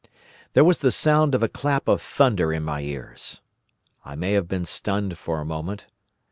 "There was the sound of a clap of thunder in my ears. I may have been stunned for a moment.